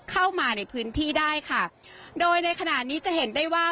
เข้ามาในพื้นที่ได้ค่ะโดยในขณะนี้จะเห็นได้ว่า